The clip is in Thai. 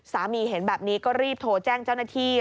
สามีเห็นแบบนี้ก็รีบโทรแจ้งเจ้าหน้าที่